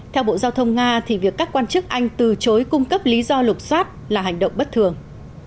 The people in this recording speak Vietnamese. theo bộ giao thông nga việc các quan chức anh từ chối cung cấp lý do lục xoát là hành động bất thường